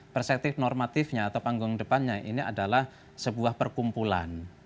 perspektif normatifnya atau panggung depannya ini adalah sebuah perkumpulan